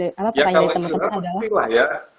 ya kalau istirahat pasti lah ya